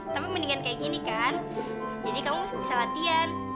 tapi mendingan kayak gini kan jadi kamu bisa latihan